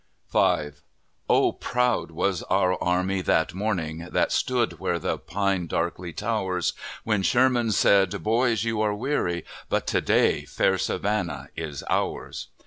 V Oh, proud was our army that morning, That stood where the pine darkly towers, When Sherman said, "Boys, you are weary, But to day fair Savannah is ours!"